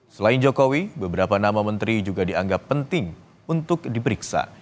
selain jokowi beberapa nama menteri juga dianggap penting untuk diperiksa